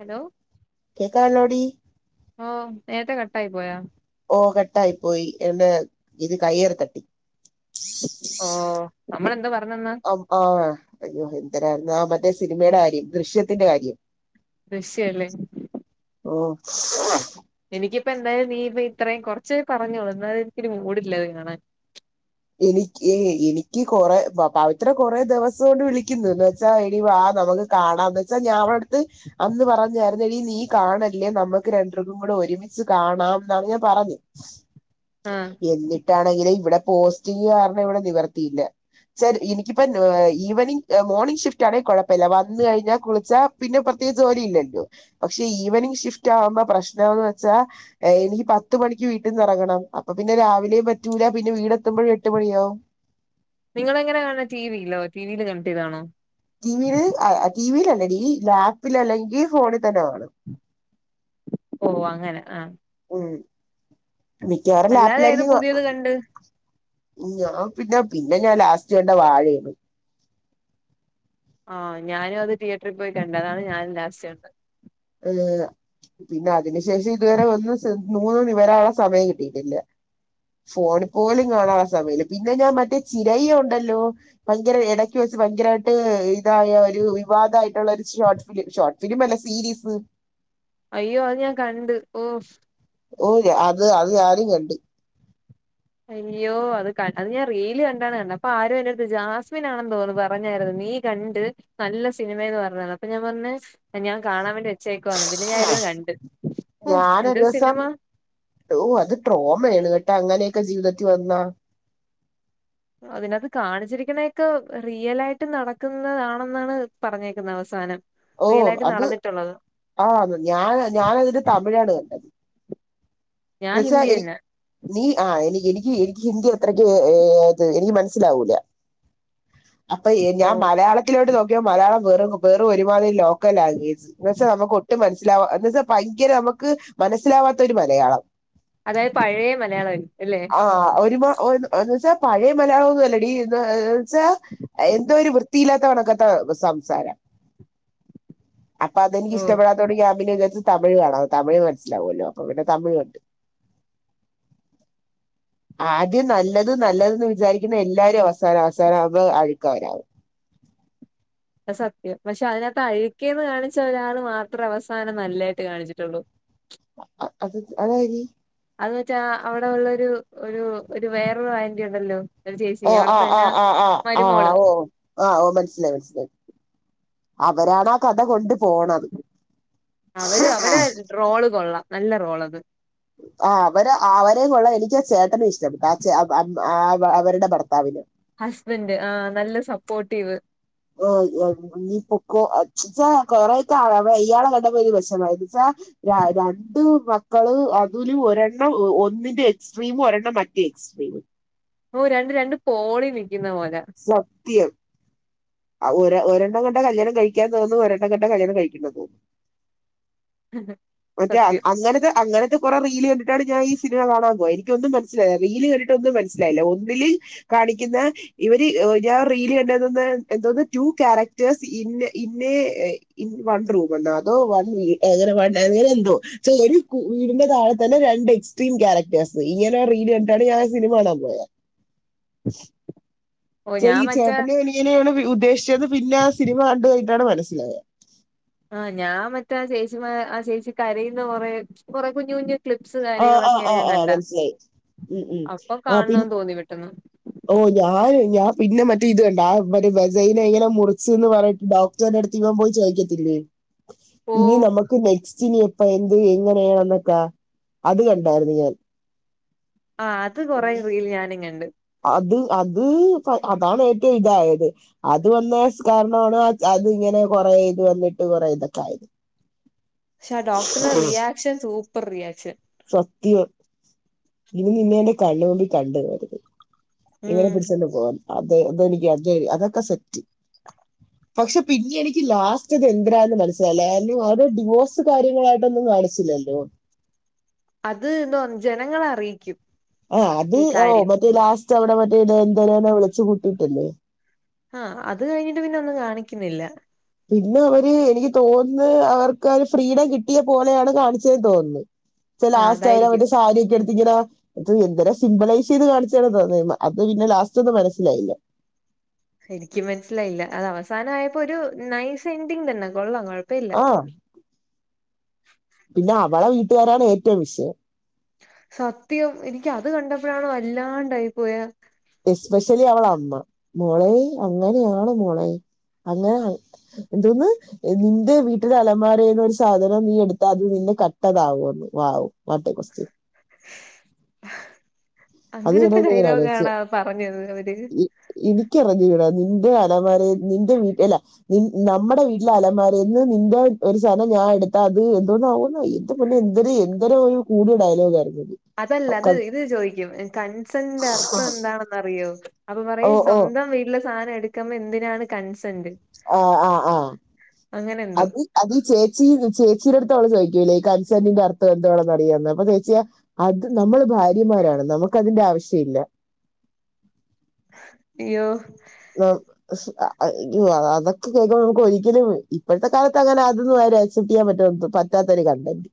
Hello കേക്കാണോടി ഓഹ് നേരത്തെ കട്ടായി പോയോ ഓഹ് കട്ടായി പോയി എൻ്റെ ഇത് കയ്യേറി തട്ടി ഓഹ് നമ്മളെന്താ പറഞ്ഞ് വന്നെ അം ആഹ് അയ്യോ എന്തരായിരുന്നു ആഹ് മറ്റേ സിനിമേയ്ടെ കാര്യം ദൃശ്യത്തിന്റെ കാര്യം ദൃശ്യ അല്ലേ ഓഹ് എനിക്കിപ്പ എന്തായാലും നീ ഇപ്പ ഇത്രേയും കുറച്ചേ പറഞ്ഞോളൂ എന്നാലത് എനിക്കൊരു മൂടില്ലാ ത് കാണാൻ എനിക്ക് എനിക്ക് കൊറെ പ പവിത്ര കൊറേ ദെവ സായിട്ട് വിളിക്കുന്ന് എന്ന് വെച്ചാ എടി വാ നമുക്ക് കാണാംന്നെച്ചാ ഞാവളെട്ത്ത് അന്ന് പറഞ്ഞായ് രുന്നെടീ നീ കാണല്ലേ നമുക്ക് രണ്ട്ര്റേർക്കും കൂടെ ഒരുമിച്ച് കാണാംന്നാണ് ഞാൻ പറഞ് ആഹ് എന്നിട്ടാണെങ്കില് ഇവടെ പോസ്റ്റിംഗ് കാരണം ഇവടെ നിവർത്തിയില്ല. ച്ചാൽ എനിക്കിപ്പം ഈവനിങ് മോർണിംഗ് ഷിഫ്റ്റാണേ കൊഴപ്പില്ല വന്ന് കഴിഞ്ഞാ കുളിച്ചാ പിന്നെ പ്രത്യേകിച്ച് ജോലി ഇല്ലല്ലോ. പക്ഷേ ഈവനിംഗ് ഷിഫ്റ്റാവുമ്പ പ്രശ്നോന്ന് വെച്ചാ എനിക്ക് പത്ത് മണിക്ക് വീട്ടിന്നിറങ്ങണം അപ്പ പിന്നെ രാവിലെയും പറ്റൂല പിന്നെ വീടെ ത്തുമ്പഴെ ട്ട് മണിയാവും. നിങ്ങളെങ്ങനെ കാണാ? ടി വി യിലോ? ടിവിയില് കണക്റ്റെയ്താണോ? ടി വീ ല്. ടി വീ ലല്ലടീ. ലാപ്പിൽ അല്ലെങ്കി ഫോണി തന്നെ കാണും ഓഹ് അങ്ങനെ ആഹ് ഉം മിക്കവാറും അല്ലാതെ ഏത് ലാപ്പിലായിരിക്കും കാ പുതിയത് കണ്ട് ഞാ പിന്നെ പിന്നെ ഞാൻ ലാസ്റ്റ് കണ്ട വാഴേണ്. ആഹ് ഞാനും അത് തിയേറ്ററി പോയി കണ്ട്. അതാണ് ഞാനും ലാസ്റ്റ് കണ്ടത്. ഏഹ് പിന്നെ അതിനു ശേഷം ഇതുവരെ വന്ന് സ് നൂന്ന് നിവരാനുള്ള സമയം കിട്ടിയിട്ടില്ല. ഫോണി പോലും കാണാള്ള സമയില്ല. പിന്നെ ഞാൻ മറ്റേ ചിരയി ഉണ്ടല്ലോ ഭയങ്കര എടക്ക് വെച്ച് ഭയങ്കരായിട്ട് ഇതായ ഒരു വിവാദായിട്ടുള്ളൊരു ഷോട്ട് ഫിലിം ഷോട്ട് ഫിലിമല്ല സീരീസ് അയ്യോ അത് ഞാൻ കണ്ട് ഓഫ് ഓഹ് അത് അത് ഞാനും കണ്ട് അയ്യോ അത് ക അത് ഞാൻ റീല് കണ്ടാണ് കണ്ട്. അപ്പൊ ആരോന്റെടുത്തോച്ച് ആസ്മിനാണെന്ന് തോന്നുന്നു പറഞ്ഞായിരുന്നു നീ കണ്ട് നല്ല സിനിമേന്ന് പറഞ്ഞന്ന് അപ്പം ഞാൻ പർഞ് പ്പ ഞാൻ കാണാൻ വേണ്ടി വെച്ചേക്കുവാന്ന്. പിന്നെ ഞാന് ഇരുന്ന് കണ്ട്. ഓഹ് എന്തൊരു സിനിമ യ്യോ അത് ട്രോമയാണ് കേട്ടാ അങ്ങനെയൊക്കെ ജീവിതത്തി വന്നാ അതിനകത്ത് കാണിച്ചിരിക്കണെക്കെ റിയലായിട്ട് നടക്കുന്നതാണെന്നാണ് പറഞ്ഞേക്കുന്നെ അവസാനം റിയൽ ഓഹ് ആയിട്ട് അത് നടന്നിട്ടുള്ളത് ആ ഞാ ഞാനതിന്റെ തമിഴാണ് കണ്ട ഞാൻ പ്രസാ ഹിന്ദി എനി തന്നെ നീ ആ എനി എനിക്ക് എനിക്ക് ഹിന്ദി അത്രയ്ക്ക്. എനിക്ക് മനസ്സിലാവൂല അപ്പൊ ഞാൻ ഓഹ് മലയാളത്തി ത്തിലോട്ട് നോക്കിയപ്പൊ മലയാളം വെറും വെറും ഒരുമാതിരി ലോക്കലാംഗേജ് എന്ന് വെച്ച് നമുക്ക് ഒട്ടും മൻ സില എന്ന് വെച്ചാ ഭയങ്കര അമുക്ക് മനസ്സിലാവാത്ത ഒരു മലയാളം. അതായത് പഴേ മലയാളായിരിക്കും അല്ലേ. ആ ഒരു മാ എന്ന് വെച്ചാ പഴയ മലയാളം ഒന്നും അല്ലടി ന്ന് വെച്ചാ എന്തോ ഒരു വൃത്തിയില്ലാത്ത കണക്കത്ത സംസാരം. അപ്പ അതനിക്ക് ഓഹ് ഇഷ്ടപ്പെടാ തൊടങ്ങിയ ഞാ പിന്നെ വിചാര്ച് തമിഴ് കാണാ തമിഴ് മൻസ്സ്ലാവല്ലോ. അപ്പ പിന്നെ തമിഴ് കണ്ട്. ആദ്യം നല്ലത് നല്ലത് ന്ന് വിചാരിക്കുന്ന എല്ലാരും അവസാനം അവസാനം ആവുമ്പോ അഴുക്കാ വരാ അഹ് സത്യം പശേ അയിനകത്ത് അഴക്കേന്ന് കാണിച്ച ഒരാള് മാത്ര അവസാനം നല്ലായിട്ട് കാണിച്ചിട്ടൊള്ളൂ. അത് അതാര് അത് വെച്ചാ അവിടെ ഉള്ളരു ഒരു ഒരു വേറൊരു ആന്റി ഉണ്ടല്ലോ. ഒരു ചേച്ചി ഓഹ് അവിടത്തെ ആഹ് തന്നെ ആഹ് ആഹ് ആഹ് മരുമോള് ആഹ് ഓ. ആഹ് ഓ മൻസ്സിലായി മൻസ്സിലായി. അവരാണ് ആ കഥ കൊണ്ട് പോണത്. അവര് അവരെ റോള് കൊള്ളാം നല്ല റോളത്. ആഹ് അവര് അവരെ കൊള്ളാ എനിക്കാ ചേട്ടനെ ഇഷ്ടം ആ ചെ ആഹ് അവരുടെ ഭർത്താവിനെ. ഹസ്ബന്ഡ് ആ നല്ല സപ്പോട്ടീവ്. നി പൊക്കൊ അച്ചച്ചാ കൊറേ [unintelligible] വയ്യാതെ കണ്ടപ്പൊ ഒരു വെഷമം [unintelligible] രണ്ട് മക്കള് അതില് ഒരെണ്ണം ഒന്നിന്റെ എക്സ്ട്രീം ഒരെണ്ണം മറ്റേ. സ്ട്രീമും. ഓഹ് രണ്ട് രണ്ട് പോളി നിക്കുന്ന പോലെ. സത്യം. ആഹ് ഒരെ ഒരെണ്ണം കണ്ട കല്യാണം കഴിക്കാൻ തോന്നും. ഒരെണ്ണം കണ്ട കല്ല്യാണം കഴിക്കണ്ടന്ന് തോന്നും. മറ്റേ സത്യം അങ്ങനെത് അങ്ങനെത്. കൊറെ റീല് കണ്ടിട്ടാണ് ഞാൻ ഇ സിനിമ കാണാ പോയെ എനിക്കൊന്നും മനസ്സിലായില്ല. റീല് കണ്ടിട്ടൊന്നും മൻസ്സിലായില്ല ഒന്നില്. കാണിക്കുന്ന ഇവര് ഞാ റീല് ക ണ്ടന്ന്ന്ന്. എന്തോന്ന് ടു ക്യാരക്ടേഴ്സ് ഇന്ന് ഇന്നേ ഇൻ വൺ റൂമെന്നോ അതോ വൺ വീ ഏഹ് വൺ എങ്ങനെന്തോ ശേ ഒരു വീടിന്റെ താഴെ തന്നെ രണ്ട് എക്സ്ട്രീം കാരക്ട ഴ്സ് ഇങ്ങനെ റീല് കണ്ട്ട്ടാണ് ഞാൻ സിനിമ കാണാൻ പോയേ. ഓ ഞാൻ ഈ മറ്റേ ചേട്ടനെ അനിയനെണ് ഉദ്ദേശ്ച്ചേ പിന്നെ ആ സിനിമ കണ്ട് കഴിഞ്ഞട്ടാണ് മനസ്സിലായേ. ആഹ് ഞാൻ മറ്റേ ആ ചേച്ചി ആ ചേച്ചി കരയിന്ന കൊറേ കൊറെ കുഞ്ഞ് കുഞ്ഞ് ക്ലിപ്സ് ആ ആ കാര്യങ്ങളൊക്കെയാണ് ആ ഞാൻ ആ കണ്ട മനസ്സിലായി ഉം ഉം അപ്പൊ കാണണന്ന് തോന്നി പെട്ടെന്ന് ഓഹ് ഞാൻ ഞാൻ പിന്നെ മറ്റേ ഇത് കണ്ട ആ വജൈനെ ഇങ്ങനെ മുറിച്ച്ന്ന് പറഞ്ഞട്ട് ഡോ ടർ അടുത്ത് ഇവൻ പോയി ചോയിക്കത്തില്ലേ ഓ ഇനി നമ്മക്ക് നെക്സ്റ്റിന ഇപ്പോ എന്ത് [unintelligible] അത് കണ്ടായിരുന്നു ഞാൻ. ആഹ് അത് കൊറെ റീല് ഞാനും കണ്ട്. അത് അത് അതാണ് ഏറ്റവും ഇതായത്. അത് വന്ന കാരണമാണ് അത് ഇങ്ങനെ കൊറെ ഇത് വന്നിട്ട് കൊറേ ഇതൊക്കെ ആയത്. ശ ആ ഡോക്ടറേ റിയാക്ഷൻ സൂപ്പർ റിയാക്ഷൻ. സത്യം. ഇനി നിന്നെ എന്റെ കണ്ണുമ്പി കണ്ടോവരുത്. ഇവനെ ഉം പിടിച്ചോണ്ട് പോ ന്ന് അത് അതെനിക്ക് അതൊക്കെ സെറ്റ് പക്ഷെ പിന്നെ എനിക്ക് ലാസ് സ്റ്റ് ഇത് എന്തിനാന്ന് മനസ്സിലായില്ല. ആന്റി ഓരെ ഡിവോഴ്സ് കാര്യങ്ങളായിട്ടൊന്നും കാണിച്ചില്ലല്ലോ. അത് [unintelligible] ജനങ്ങളറിയിക്കും. ആഹ് അത് ഓ മറ്റേ ലാസ്റ്റ് അവടെ മറ്റേ ഇ [unintelligible] വിളിച്ചു കൂട്ടിട്ടല്ലേ? ആഹ് അത് കഴിഞ്ഞിട്ട് പിന്നെ ഒന്നും കാണിക്കുന്നില്ല. പിന്നെ ഓര് എനിക്ക് തോന്ന് അവർക്ക് ആ ഫ്രീഡം കിട്ടിയ പോലെയാണ് കാണിച്ചത് തോന്ന്ന്ന്. [inaudible] ഇ ലാസ്റ്റ് അതായിരിക്കും അവരുടെ സാരിയക്കെ [unintelligible] ഇങ്ങനെ എന്ത സിമ്പബലൈസ് ചെയ്ത് കാണിച്ചാണ് അത് പിന്നെ ലാസ്റ്റ് ഒന്നും മനസ്സിലായില്ല എനിക്കും മനസ്സിലായില്ല അത് അവസാനയപ്പോ ഒരു നൈസ് എൻഡിങ് തന്നെ കൊള്ളാം കൊഴപ്പല്ല ആഹ് പിന്നെ അവളെ വീട്ടുകാരാണ് ഏറ്റവും വിഷയം സത്യം എനിക്ക് അത് കണ്ടപ്പോഴാണോ വല്ലാണ്ടായി പോയെ എസ്പെഷ്യലി അവളെ അമ്മ ഐ അങ്ങനെയാണ് മോളെ അങ്ങനെ എന്തോന്ന്? എന്ത് വീട്ടിൽ അലമാരേന്ന് ഒരു സാധനം നീ എടുത്താൽ അത് നിന്നെ കട്ടതാവുംന്ന് വാവും മറ്റേ കോസ്റ്റൻ അത് കേട്ടപ്പോ അങ്ങൻത്തെ ഞാൻ ഡയലോഗാണോ പറഞ്ഞത് അവര് എനിക്കറിഞ്ഞുടാ നിന്റെ അലമാര നിന്റെ വീട്ടി നി നമ്മടെ വീട്ടിലെ അലമാരേന്ന് നിന്റെ ഒരു സാധനം ഞാൻ എടുത്താ അത് എന്തോന്ന ആകുമന്ന് അയ്യോ ഓ പിന്നെ എന്ത എന്തേരം ഒരു കൂടിയ ഡയലോഗ് ആയിരുന്നത്. അതല്ല അത് ഇത് ചോദിക്കും കൺസന്റെ അർത്ഥം എന്താണെന്നറിയോ? അപ്പൊ ഓ പറയും ഓ സ്വന്തം വീട്ടിലെ സാധനം എടുക്കുമ്പ എന്തിനാണ് കൺസെന്റ് ആഹ് ആഹ് ആഹ് അങ്ങനെ എന്തോ അത് അത് ഈ ചേച്ചി ചേച്ചീടടുത്ത അവള ചോദിക്കൂലേ ഈ കൺസെന്റിന്റെ അർത്ഥ എന്തോണാണ് അറിയാന്ന് അപ്പൊ ചേച്ചിയാ അത് നമ്മൾ ഭാര്യമാരാണ് നമുക്കതിന്റെ ആവശ്യം ഇല്ല യോ [unintelligible] [unintelligible] അതൊക്കെ കേൾക്ക്പോ നമുക്ക് ഒരിക്കലും ഇപ്പോഴത്തെ കാലത്ത് അങ്ങനെ അതൊന്നും ആര ആക്സെപ്റ്റ് ചെയ്യാൻ പറ്റത്ത പ റ്റത്തൊര കണ്ടന്റെ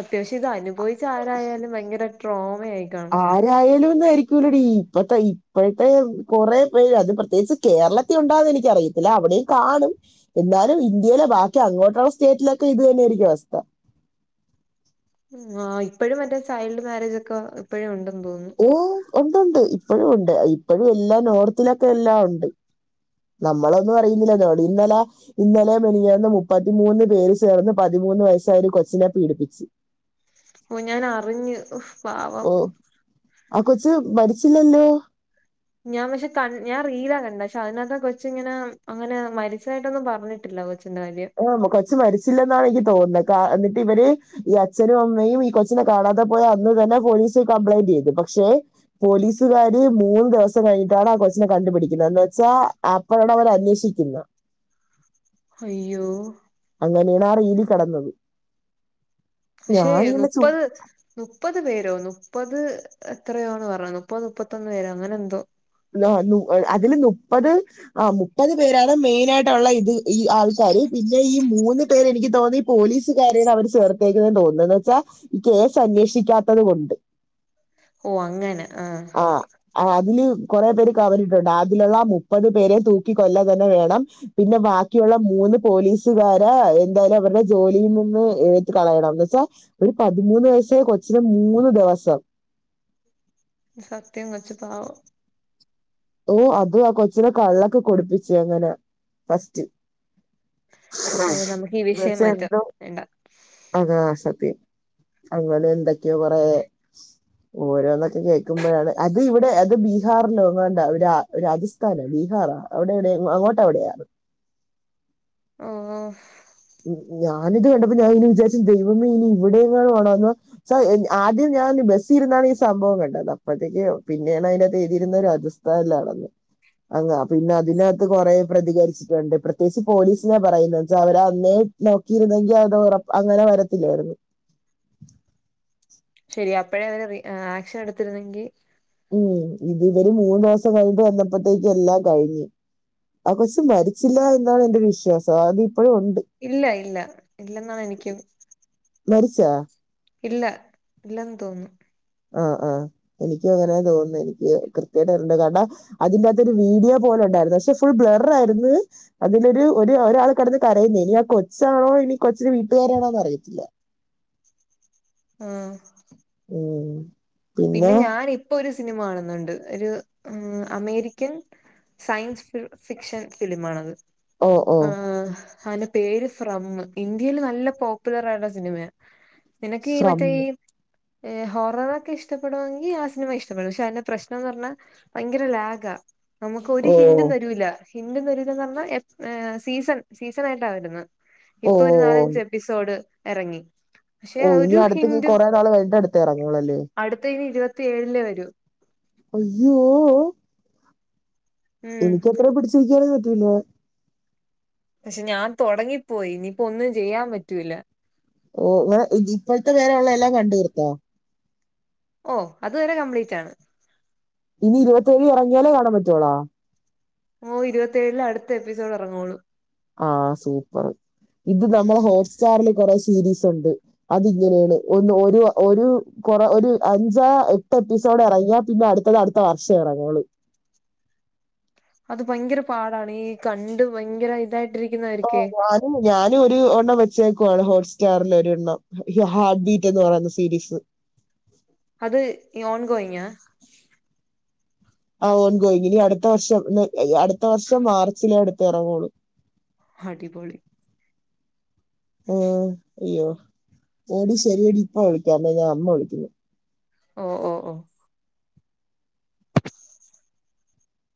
അത്യവശം ഇത് അനുഭവിച്ച ആരായാലും ഭയങ്കര ട്രോമ ആയി ആരായാലും ന്നായിരിക്കൂലടി ഇപ്പത്തെ ഇപ്പോഴത്തെ കൊറെ പേര് അത് പ്രത്യേകിച്ച് കേരളത്തിൽ ഉണ്ടാന്ന് എനിക്കറിയത്തില്ല അവിടെയും കാണും എന്നാലും ഇന്ത്യയിലെ ബാക്കി അങ്ങോട്ടുള്ള സ്റ്റേറ്റിലൊക്കെ ഇത് തന്നെയായിരിക്കും അവസ്ഥ ആഹ് ഇപ്പഴും മറ്റേ ചൈൽഡ് മാരേജക്കെ ഇപ്പഴും ഉണ്ടെന്ന് തോന്നുന്നു. ഓ ഉണ്ട്ണ്ട് ഇപ്പോഴും ഉണ്ട് ഇപ്പോഴും എല്ലാം നോർത്തിലൊക്കെ എല്ലാം ഉണ്ട് മ്മളൊന്നുറിയുന്നില്ല ന്നോടിന്നലെ ഇന്നലെ മിനിയാന്ന് മുപ്പത്തിമൂന്ന് പേര് ചേർന്ന് പതിമൂന്ന് വയസ്സായൊരു കൊച്ചിനെ പീഡിപ്പിച്ച് ഞാൻ അറിഞ്ഞ് ഹൊ ഓ ആഹ് കൊച്ച് മരിച്ചില്ലല്ലോ ഞാൻ പക്ഷെ ക ഞാൻ റീലാ കണ്ടെ പക്ഷെ അതിനകത്ത് കൊച്ചിങ്ങനെ അങ്ങനെ മരിച്ചതായിട്ടൊന്നും പറഞ്ഞിട്ടില്ല കൊ [unintelligible] കൊച്ച് മരിച്ചില്ലെന്നാണ് എനിക്ക് തോന്നുന്നത് ക ന്നിട്ട് ഇവര് ഈ അച്ഛനും അമ്മയും ഈ കൊച്ച് കാണാതെ പോയി അന്ന് തന്നെ പോലീസി കംപ്ലയിന്റ് ചെയ്തു പക്ഷെ പോലീസുകാര് മൂന്ന് ദിവസം കഴിഞ്ഞിട്ടാണ് ആഹ് കൊച്ചിനെ കണ്ടുപിടിക്കുന്നത് എന്ന് വെച്ചാ ആഹ് പറയണ പോലെ അന്വേഷിക്കുന്ന അയ്യോ അങ്ങനെയാണ് ആഹ് റീല് കെടന്നത് പക്ഷേ ഞാനിങ്ങനെ ചു മുപ്പത് മുപ്പത് പേരോ മുപ്പത് എത്രയോണ് പറഞ്ഞെ മുപ്പത് മുപ്പത്തൊന്ന് പേരോ അങ്ങനെന്തോ ന്ന ന്നു അതില് മുപ്പത് ആഹ് മുപ്പത് പേരാണ് മെയിനയിട്ടുള്ള ഇത് ഈ ആൾക്കാര് പിന്നെ ഈ മൂന്ന് പേര് എനിക്ക് തോന്നി പോലീസുകാരെണ് അവർ ചേർത്തേക്കുന്നതെ ന്ന് തോന്ന്ണ് എന്ന് വെച്ചാ ഈ കേസ് അന്വേഷിക്കാത്തത് കൊണ്ട് ഓ അങ്ങനെ ആഹ് ആഹ് അതില് കുറെ പേര് കവഞ്ഞിട്ടുണ്ട് അതിലുള്ള മുപ്പത് പേരെ തൂക്കി കൊല്ല തന്നെ വേണം പിന്നെ ബാക്കിയുള്ള മൂന്ന് പോലീസുകാരെ എന്തായാലും അവരുടെ ജോലിയിൽ നിന്ന് എ കളയണം ന്ന് വെച്ചാ ഒരു പതിമൂന്ന് വയസായ കൊച്ചിന് മൂന്ന് ദിവസം സത്യം കൊച്ച് പാവം ഓ അത് ആ കൊച്ചിന കള്ളൊക്കെ കൊടുപ്പിച്ചേ അങ്ങനെ ഫസ്റ്റ് ആ ഓ നമുക്ക് ഈ വിഷയം മാറ്റാം എന്നച്ചയെന്തോ വേണ്ട അതാ സത്യം അങ്ങനെന്തൊക്കെയോ കൊറേ ഓരോന്നൊക്കെ കേൾക്കുമ്പോഴാണ് അത് ഇവിടെ അത് ബീഹാറിലോങ്ങാ അ ര രാജസ്ഥാന ബീഹാറാ അവിടെ എവിടെയോ അങ്ങോട്ടവിടെയാണ്. അഹ് ആഹ് ഞ ഞാനിത് കണ്ടപ്പോ ഞാഇങ്ങന വിചാരിച്ചു ദൈവമേ ഇനി ഇവിടെങ്ങാണ് ആണോന്ന് സ ആദ്യം ഞാൻ ബസ്സി ഇരുന്നാണ് ഈ ച്ച എ ആദ്യം ഞാന് ബസ്സിയിരന്നാണീ സംഭവം കണ്ടത് അപ്പോഴത്തേക്ക് പിന്നെയാണ് അയിന്റാത്ത് എയ്തിരുന്ന രാജസ്ഥ സ്ഥാൻലാണെന്ന്. അങ്ങ പിന്നതിനകത്ത് കൊറേ പ്രതികരിച്ചിട്ടുണ്ട് പ്രത്യേകിച്ച് പോലീസിനെ പറയുന്നെച്ചാ അവരാ അന്നെ നോക്കിയിരുന്നെങ്കിയത് ഒറപ്പ അങ്ങനെ വരത്തില്ലായിരുന്നു ശെരിയാ അപ്പോഴേ അവര് റി ആക്ഷൻ എടുത്തിരുന്നെങ്കി ഉം ഇത് ഇവര് മൂന്നോസം കയിൻട്ട് വന്നപ്പോത്തേക്ക് എല്ലാം കഴിഞ്ഞ് ആ കൊച്ച് മരിച്ചില്ല എന്നാണ് എന്റെ വിശ്വാസം അത് ഇപ്പോഴുണ്ട് ഇല്ല ഇല്ല ഇല്ലെന്നാണെനിക്കും മരിച്ചാ ഇല്ല ഇല്ലെന്ന് തോന്നുന്നു ആ ആ എനിക്കുഅങ്ങനാ തോന്നുന്നേ എനിക്ക് കൃത്യായിട്ടറിയിണ്ടാട ഹ് അതിന്റാത്തൊരു വീഡിയോ പോലൊണ്ടായിരുന്നു പഷേ ഫുൾ ബ്ലർറായിരുന്നു. അതിലൊര് ഒര് ഒരാള് കെടന്ന് കരയുന്നേ ഇനി ആ കൊച്ചാണോ ഇനി കൊച്ചിന്റെ വീട്ടുകാരാണോന്നറിയത്തില്ല ആഹ് ഉം പിന്നെ ഞാനിപ്പൊരു സിനിമ കാണുന്നുണ്ട് ഒരു അം അമേരിക്കൻ സയൻസ് ഫ്ഫിക്ഷൻ ഫിലിം ആണത് ഓ ഓ ആഹ് [unintelligible] പേര് ഫ്രം ഇന്ത്യയില് നല്ല പോപ്പുലറായുള്ള സിനിമയാ ഹ് നിനക്ക് ഈ ഫ്രം മറ്റേ ഈ ഏ ഹൊററൊക്കിഷ് ഷ്ടപ്പെടുയെങ്കി ആ സിനിമ ഇഷ്ടപ്പെടും പക്ഷെ അയിന്റെ പ്രശ്നന്ന് പറഞ്ഞാ ഭയങ്കര ലാകാ നമുക്കൊര് ഓ ഹിൻഡും തരൂല ഹിൻഡും തരൂലാന്ന് പറഞ്ഞാ എപ് എ സീസൺ സീസണായിട്ട വരുന്നേ ഓ ഇപ്പൊ ഒരു നാലഞ്ച് എപ്പിസോഡ് എറങ്ങി പക്ഷെ ഓ ഇനി ഒരു അടുത്ത്ക്ക് കൊറെ നാൾ കയിൻട്ട അടുത്തയിറങ്ങൂളല്ലേ അടുത്തയിനി ഇരുപത്തിയേഴിലെ വരൂ അയ്യോ ഓ ഉം എനിക്കത്ര പിടിച്ചിരിക്കാനൊന്നും പറ്റൂല്ല പഷേ ഞാൻ തൊടങ്ങിപ്പോയി യിനിയിപ്പോ ഒന്നും ചെയ്യാൻ പറ്റൂല്ല ഓ ഇങ്ങള് ഇ ഇപ്പോഴത്തെ വരെയുള്ള എല്ലാം കണ്ട് തീർത്തോ ഓ അത് വരെ കംപ്ലീറ്റാണ് ഇനി ഇരുപത്തേഴിലെറങ്ങിയാലേ കാണാൻ പറ്റുവോളോ ഓ ഇരുപത്തേഴിലടുത്ത എപ്പിസോഡ്റങ്ങയുള്ളൂ ആ സൂപ്പറ് ഇത് നമ്മളെ ഹോട്ട്സ്റ്റാറില് കൊറെ സീരീസ് ഇണ്ട് അതിങ്ങനെയാണ് ഒന്ന് ഒരു ഒരു കൊറെ ഒരു അഞ്ചാ എട്ട് എപ്പിസോഡെറങ്ങിയാ പിന്നെ അടുത്തത് അടുത്ത വർഷം എറങ്ങൂളു അത് ഭയങ്കര പാടാണീ കണ്ട് ഭയങ്കരയിതായിട്ട് ഓ [unintelligible] ഉം ഞാന് ഒര് ഒരെണ്ണം വെച്ചേക്ക്വാണ് ഹോട്ട്സ്റ്റാർല് ഒരെണ്ണം ഹ് ഹാർട്ട് ബീറ്റെന്ന് പറയുന്ന സീരീസ് അത് ഇയോൺ ഗോയിംങ്ങ്യ ആ ഓൺഗോയിംങ്ങിനി അടുത്ത വർഷം എ അടുത്ത വർഷം മാർച്ചിലെ അടുത്തെ എറങ്ങൂളു ഹടിപൊളി ഓ അയ്യോ ഓടി ശെരിയടി ഇപ്പ വിളിക്കാമെ ഞാൻ അമ്മ വിളിക്കുന്നു ഓ ഓ ഓ